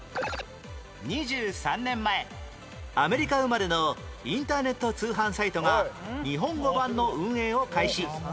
２３年前アメリカ生まれのインターネット通販サイトが日本語版の運営を開始